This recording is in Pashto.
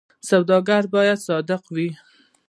سوداګر باید صادق وي